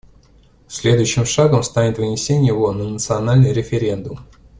Следующим шагом станет вынесение его на национальный референдум.